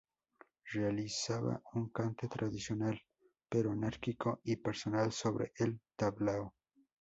Realizaba un cante tradicional, pero anárquico y personal sobre el tablao